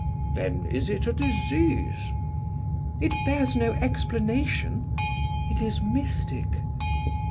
"Then is it a disease?" "It bears no explanation; it is mystic."